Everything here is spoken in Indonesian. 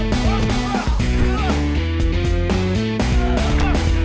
itu anak buah nasi kelek